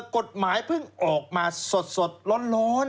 กฎหมายเพิ่งออกมาสดร้อน